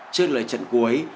trước lời trận cuối